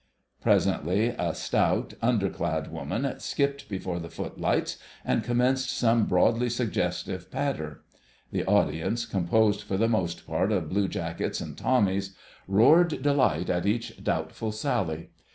Presently a stout, under clad woman skipped before the footlights and commenced some broadly suggestive patter. The audience, composed for the most part of blue jackets and Tommies, roared delight at each doubtful sally.